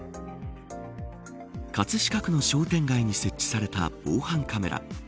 葛飾区の商店街に設置された防犯カメラ。